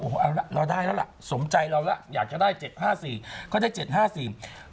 โอ้โหเอาล่ะเราได้แล้วล่ะสมใจเราล่ะอยากจะได้๗๕๔ก็ได้๗๕๔